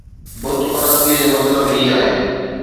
بت پرستيءَ جو مطلب هي آهي